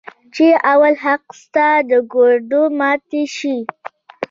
چې اول حق ستا د ګوډو ماتو شي.